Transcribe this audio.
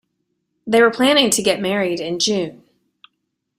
They were planning to get married in June.